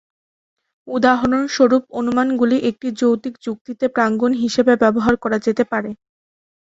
উদাহরণস্বরূপ, অনুমানগুলি একটি যৌক্তিক যুক্তিতে প্রাঙ্গণ হিসাবে ব্যবহার করা যেতে পারে।